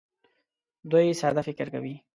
دوی ساده فکر کوي.